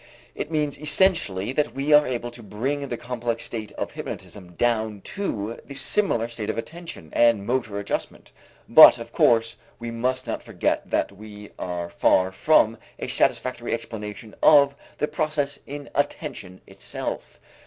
It means essentially that we are able to bring the complex state of hypnotism down to the similar state of attention and motor adjustment, but of course we must not forget that we are far from a satisfactory explanation of the process in attention itself.